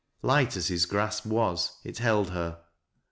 Light as his grasp was, it held her.